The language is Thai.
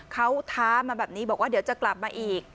เขาท้ามาแบบนี้บอกว่าเดี๋ยวจะกลับมาอีก